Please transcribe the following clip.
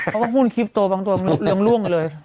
เขาก็พูดคิปโตบางตัวเรื่องร่วงเลย